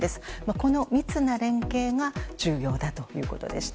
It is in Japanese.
この密な連携が重要だということでした。